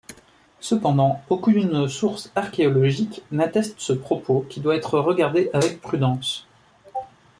Cependant, aucune source archéologique n'atteste ce propos qui doit être regardé avec prudence.